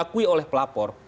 bahkan diakui oleh pelapor